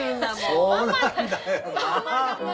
そうなんだよな！